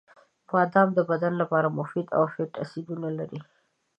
• بادام د بدن لپاره د مفید فیټ اسیدونه لري.